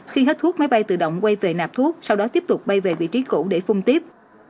khi hết thuốc máy bay tự động quay về nạp thuốc sau đó tiếp tục bay về vị trí cũ để phun tiếp